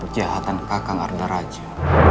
kejahatan kakang arda raja